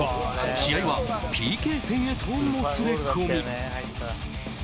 試合はＰＫ戦へともつれ込み。